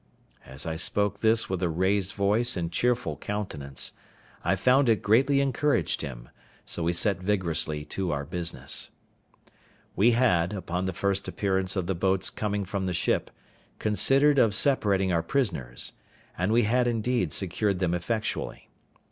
As I spoke this with a raised voice and cheerful countenance, I found it greatly encouraged him; so we set vigorously to our business. We had, upon the first appearance of the boat's coming from the ship, considered of separating our prisoners; and we had, indeed, secured them effectually.